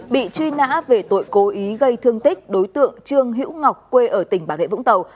bị truy nã về tội cố ý gây thương tích đối tượng trương hữu ngọc quê ở tỉnh bà rệ vũng tàu